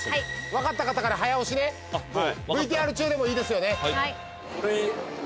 分かった方から早押しねＶＴＲ中でもいいですよね。